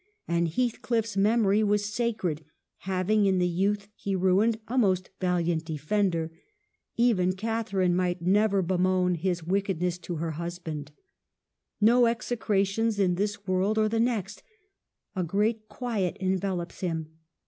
And Heathcliff's memory was sacred, having in the youth he ruined a most valiant defender. Even Catharine might never bemoan his wickednesses to her husband. No execrations in this world or the next ; a great quiet envelops him.